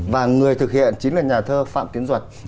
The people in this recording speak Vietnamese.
và người thực hiện chính là nhà thơ phạm tiến duật